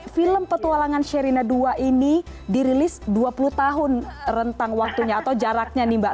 film petualangan sherina ii ini dirilis dua puluh tahun rentang waktunya atau jaraknya nih mbak